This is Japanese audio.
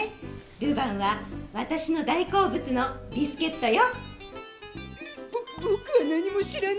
ルヴァンは私の大好物のビスケットよ。